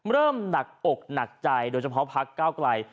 เริ่มหนักอกหนักใจโดยเฉพาะพักเก้าไกล